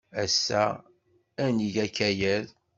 Ass-a, ad neg akayad.